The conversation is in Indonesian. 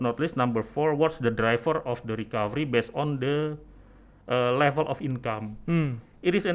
apa yang merupakan pengguna perangkat berdasarkan nilai pendapatan